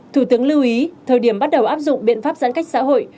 thủ tướng lưu ý thời điểm bắt đầu áp dụng biện pháp giãn cách xã hội